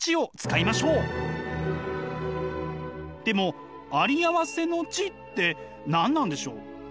でもあり合わせの知って何なんでしょう？